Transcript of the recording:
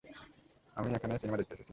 আমি এখানে সিনেমা দেখতে এসেছি।